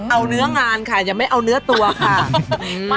เอาเนื้องานค่ะอย่าไม่เอาเนื้อตัวค่ะ